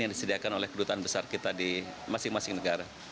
yang disediakan oleh kedutaan besar kita di masing masing negara